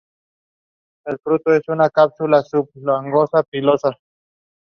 El fruto es una cápsula subglobosa, pilosa.